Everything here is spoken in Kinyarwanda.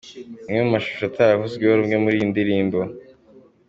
Amwe mu mashusho ataravuzweho rumwe muri iyi ndirimbo.